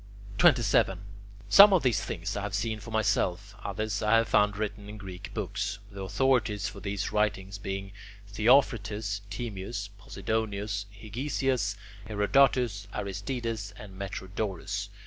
27. Some of these things I have seen for myself, others I have found written in Greek books, the authorities for these writings being Theophrastus, Timaeus, Posidonius, Hegesias, Herodotus, Aristides, and Metrodorus.